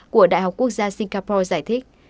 của đại học quốc gia singapore giải thích